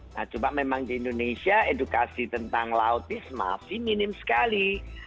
nah cuma memang di indonesia edukasi tentang laut ini masih minim sekali